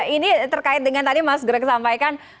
ini terkait dengan tadi mas greg sampaikan